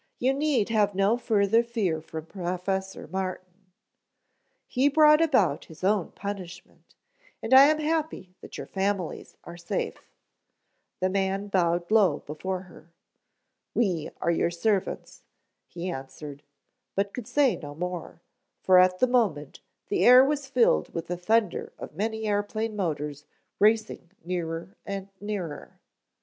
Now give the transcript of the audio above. "You need have no further fear from Professor Martin. He brought about his own punishment and I am happy that your families are safe." The man bowed low before her. "We are your servants," he answered but could say no more, for at the moment the air was filled with the thunder of many airplane motors racing nearer and nearer.